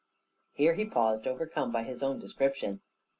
Here he paused, overcome by his own description.